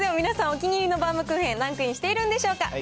お気に入りのバウムクーヘン、ランクインしているんでしょうか。